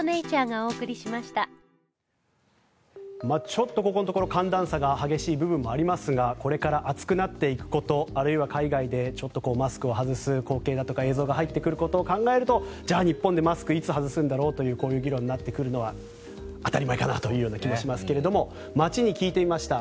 ちょっとここのところ寒暖差が激しい部分もありますがこれから暑くなっていくことあるいは海外でちょっとマスクを外す光景だとか映像が入ってくることを考えるとじゃあ、日本でマスクをいつ外すんだろうとこういう議論になってくるのは当たり前かなというような気もしますが街に聞いてみました。